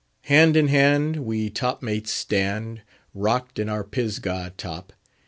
Hand in hand we top mates stand, rocked in our Pisgah top.